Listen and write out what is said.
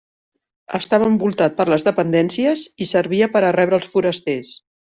Estava envoltat per les dependències i servia per a rebre els forasters.